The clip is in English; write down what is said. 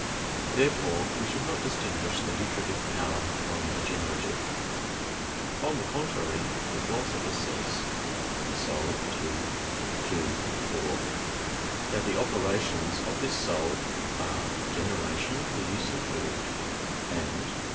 Therefore we should not distinguish the nutritive power from the generative. On the contrary, The Philosopher says (De Anima ii, 2,4) that the operations of this soul are "generation, the use of food," and (cf.